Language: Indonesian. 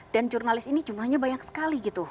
dan jurnalis ini jumlahnya banyak sekali gitu